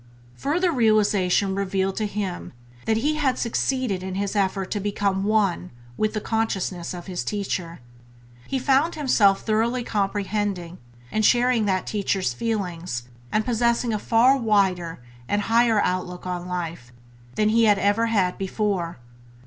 Further realization revealed to him that he had succeeded in his effort to become one with the consciousness of his teacher. He found himself thoroughly comprehending and sharing that teacher's feelings, and possessing a far wider and higher outlook on life than he had ever had before.